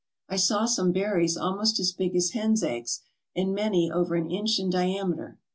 I saw some berries almost as big as hen's eggs and many over an inch in diameter.